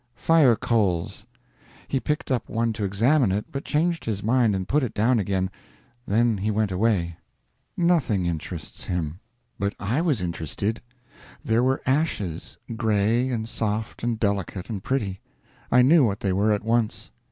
"Fire coals." He picked up one to examine it, but changed his mind and put it down again. Then he went away. _Nothing _interests him. But I was interested. There were ashes, gray and soft and delicate and pretty I knew what they were at once.